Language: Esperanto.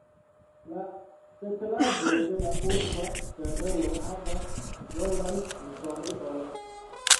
La setlado de la urba tereno havas longan historion.